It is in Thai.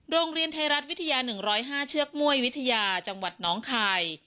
โรงเรียนไทยรัฐวิทยา๑๐๕เชือกม่วยวิทยาจังหวัดน้องคาย